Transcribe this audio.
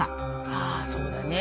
あそうだね。